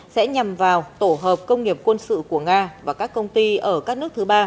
sẽ nhằm vào tổ hợp công nghiệp quân sự của nga và các công ty ở các nước thứ ba